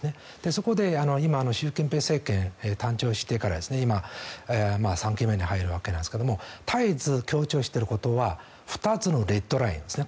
そこで今の習近平政権が誕生してから今、３期目に入るわけなんですが絶えず強調していることは２つのレッドラインですね